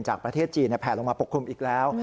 ประเทศจีนแผลลงมาปกคลุมอีกแล้ว